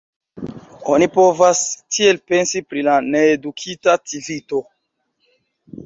Oni povas tiel pensi pri la needukita civito.